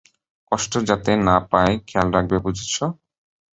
কষ্ট যাতে না পায় খেয়াল রাখবে, বুঝেছ?